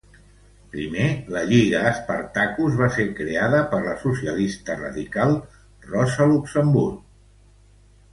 Primer, la Lliga Spartacus va ser creada per la socialista radical Rosa Luxemburg.